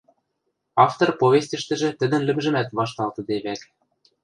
Автор повестьӹштӹжӹ тӹдӹн лӹмжӹмӓт вашталтыде вӓк.